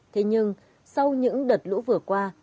thế nhưng sau những đợt lũ vừa qua